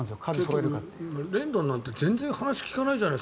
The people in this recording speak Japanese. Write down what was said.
レンドンなんて全然話聞かないじゃない。